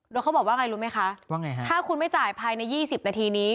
โดยเขาบอกว่าไงรู้ไหมคะว่าไงฮะถ้าคุณไม่จ่ายภายใน๒๐นาทีนี้